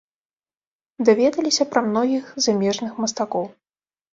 Даведаліся пра многіх замежных мастакоў.